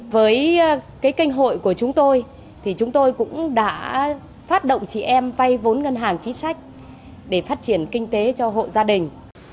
với cái kênh hội của chúng tôi thì chúng tôi cũng đã phát động chị em vay vốn ngân hàng chí sách để phát triển kinh tế cho hộ gia đình